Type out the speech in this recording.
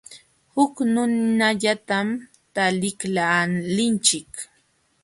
Huk nunallatam taliqlaalinchik.